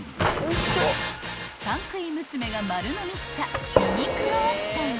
［パン食い娘が丸のみしたミニクロワッサンは］